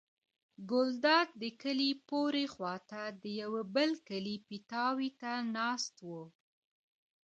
ګلداد د کلي پورې خوا ته د یوه بل کلي پیتاوي ته ناست و.